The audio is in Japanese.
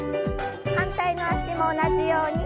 反対の脚も同じように。